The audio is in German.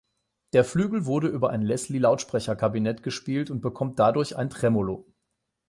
Der Flügel wurde über ein Leslie-Lautsprecher-Kabinett gespielt und bekommt dadurch ein Tremolo.